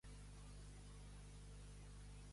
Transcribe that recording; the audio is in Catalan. Saber a la pega.